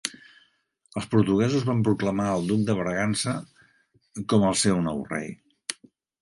Els portuguesos van proclamar el Duc de Bragança com el seu nou rei.